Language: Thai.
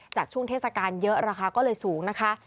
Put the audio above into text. ช่วงเทศกาลเยอะราคาก็เลยสูงนะคะ